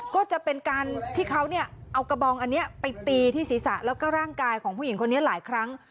ก็จะเป็นการที่เขาเอากระบองอันนี้ไปตีที่ศีรษะแล้วก็ร่างกายของผู้หญิงคนนี้หลายครั้ง